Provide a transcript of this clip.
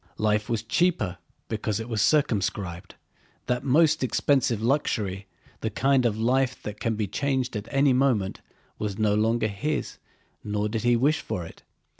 Life was cheaper because it was circumscribed: that most expensive luxury, the kind of life that can be changed at any moment, was no longer his nor did he wish for it.